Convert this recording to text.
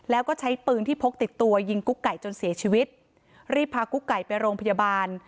แล้วก็ใช้ปืนที่พกติดตัวยิงกุ๊กไก่จนเสียชีวิตรีบพากุ๊กไก่ไปโรงพยาบาล